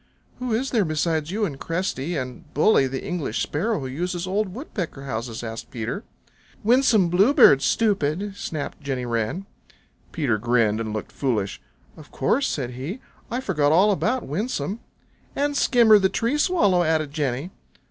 "Who is there besides you and Cresty and Bully the English Sparrow who uses these old Woodpecker houses?" asked Peter. "Winsome Bluebird, stupid!" snapped Jenny Wren. Peter grinned and looked foolish. "Of course," said he. "I forgot all about Winsome." "And Skimmer the Tree Swallow," added Jenny.